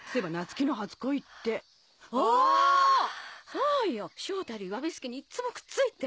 そうよ翔太より侘助にいっつもくっついて。